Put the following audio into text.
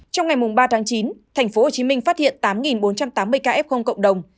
trong ngày ba tháng chín tp hcm phát hiện tám bốn trăm tám mươi ca f cộng đồng